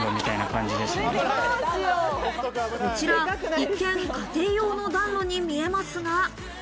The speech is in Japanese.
こちら、一見、家庭用の暖炉に見えますが。